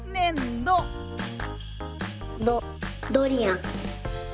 どドリアン。